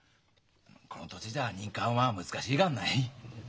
この年では任官は難しいがんない。